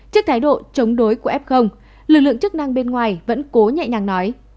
trước thái độ chống đối của f lực lượng chức năng bên ngoài vẫn cố nhẹ nhàng nói